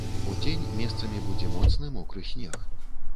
Удзень месцамі будзе моцны мокры снег.